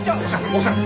奥さん！